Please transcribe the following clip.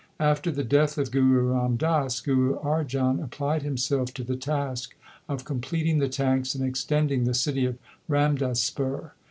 After the death of Guru Ram Das, Guru Arjan applied himself to the task of completing the tanks and extending the city of Ramdaspur.